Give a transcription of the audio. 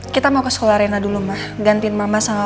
kenapa polamu sudah habis ya